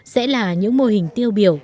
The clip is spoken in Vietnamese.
sẽ là những mô hình tiêu biểu